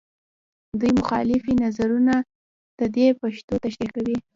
دوې مخالفې نظریې د دې پېښو تشریح کوي.